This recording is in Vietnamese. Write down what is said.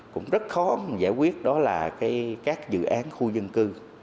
cũng rất khó giải quyết đó là các dự án khu dân cư